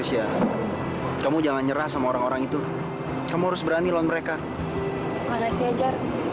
siapa kamu jangan nyerah sama orang orang itu kamu harus berani lo mereka makasih aja